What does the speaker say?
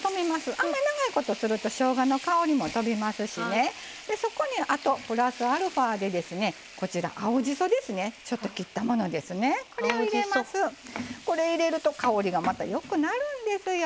あんまり長いことするとしょうがの香りもとびますしそこにプラスアルファで青じそですね、切ったものをこれを入れると香りがまたよくなるんですよ。